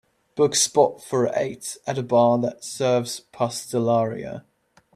book spot for eight at a bar that serves pastelaria